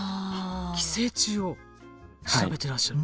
寄生虫を調べてらっしゃる。